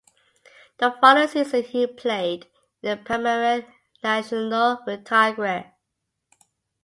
The following season he played in the Primera Nacional with Tigre.